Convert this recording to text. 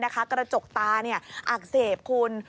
กระจกตาอักเสบคุณ